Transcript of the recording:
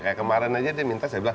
kayak kemarin aja dia minta saya bilang